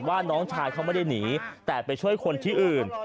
ว่าน้องชายเขาไม่ได้หนีแต่ไปช่วยคนที่อื่น